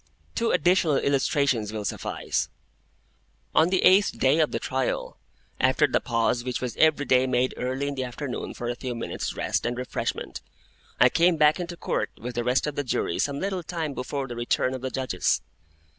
Two additional illustrations will suffice. On the eighth day of the trial, after the pause which was every day made early in the afternoon for a few minutes' rest and refreshment, I came back into Court with the rest of the Jury some little time before the return of the Judges.